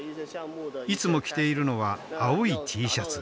いつも着ているのは青いＴシャツ。